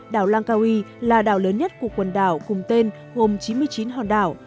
đảo langkawi là đảo lớn nhất của quần đảo cùng tên gồm chín mươi chín hòn đảo